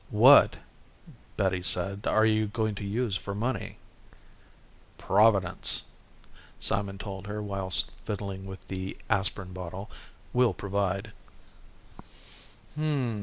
"What," Betty said, "are you going to use for money?" "Providence," Simon told her whilst fiddling with the aspirin bottle, "will provide."